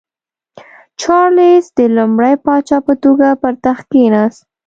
چارلېس د لومړي پاچا په توګه پر تخت کېناست.